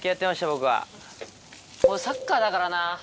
俺サッカーだからな。